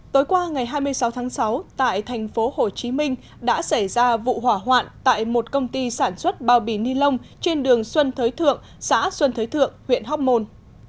tối qua ngày hai mươi sáu tháng sáu tại thành phố hồ chí minh đã xảy ra vụ hỏa hoạn tại một công ty sản xuất bao bì ni lông trên đường xuân thới thượng xã xuân thới thượng huyện hóc môn